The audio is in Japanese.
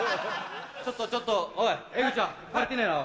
ちょっとちょっとおい江口ちゃん足りてねえな。